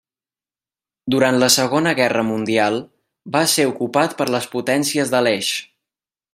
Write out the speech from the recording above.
Durant la Segona Guerra Mundial, va ser ocupat per les Potències de l'Eix.